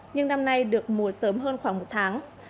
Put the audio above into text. nhưng năm nay được mùa sớm hơn khoảng một tháng